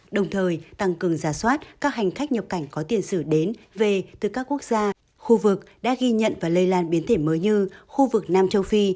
đồng thời tăng cường giả soát các hành khách nhập cảnh có tiền sử đến về từ các quốc gia khu vực đã ghi nhận và lây lan biến thể mới như khu vực nam châu phi